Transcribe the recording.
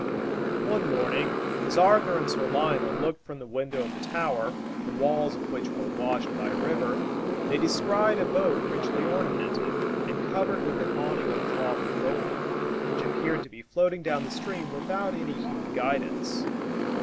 One morning, as Arthur and Sir Lionel looked from the window of the tower, the walls of which were washed by a river, they descried a boat richly ornamented, and covered with an awning of cloth of gold, which appeared to be floating down the stream without any human guidance.